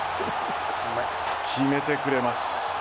決めてくれます。